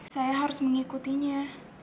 saya harus mengikutinya